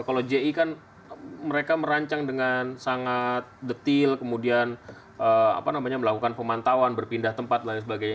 kalau ji kan mereka merancang dengan sangat detail kemudian melakukan pemantauan berpindah tempat dan lain sebagainya